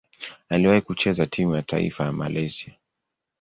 Aliwahi kucheza timu ya taifa ya Malaysia.